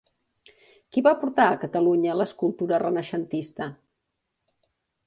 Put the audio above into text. Qui va portar a Catalunya l'escultura renaixentista?